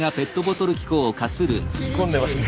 突っ込んでますね。